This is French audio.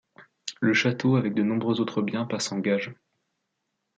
Le château, avec de nombreux autres biens, passe en gage.